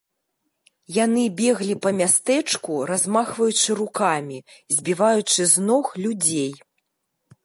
Яны беглі па мястэчку, размахваючы рукамі, збіваючы з ног людзей.